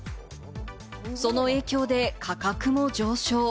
その影響で価格も上昇。